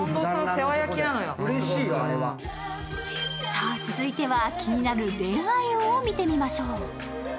さあ、続いては気になる恋愛運を見てみましょう。